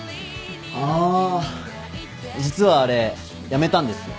あ実はあれやめたんです。